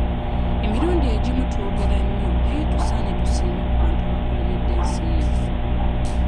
Emirundi egimu twogera nnyo naye tusaanye tusiime ku bantu abakoleredde ensi yaffe.